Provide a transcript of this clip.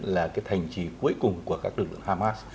là cái thành trì cuối cùng của các lực lượng hamas